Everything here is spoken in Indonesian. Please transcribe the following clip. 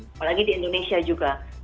apalagi di indonesia juga